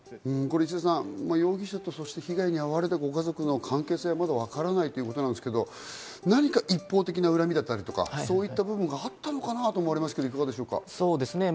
石田さん、容疑者と被害に遭われたお宅の関係性まだわからないっていうことですが、何か一方的な恨みとか、そういった部分があったのかなと思われますが、いかがでしょうか？